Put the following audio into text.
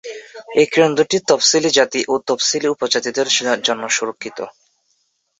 এই কেন্দ্রটি তফসিলি জাতি ও তফসিলী উপজাতিদের জন্য সংরক্ষিত।